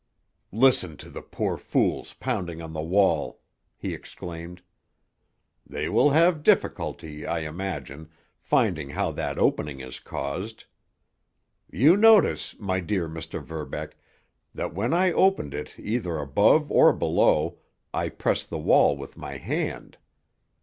"Listen to the poor fools pounding on the wall!" he exclaimed. "They will have difficulty, I imagine, finding how that opening is caused. You notice, my dear Mr. Verbeck, that when I opened it either above or below, I press the wall with my hand.